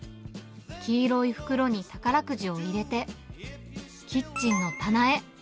黄色い袋に宝くじを入れて、キッチンの棚へ。